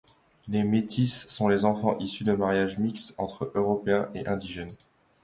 Les métis sont les enfants issus de mariages mixtes entre Européens et indigènes.